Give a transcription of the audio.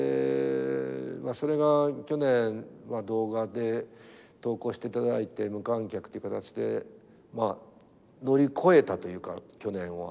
まあそれが去年動画で投稿していただいて無観客っていう形でまあ乗り越えたというか去年は。